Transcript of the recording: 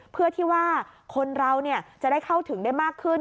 เพื่อที่ว่าคนเราจะได้เข้าถึงได้มากขึ้น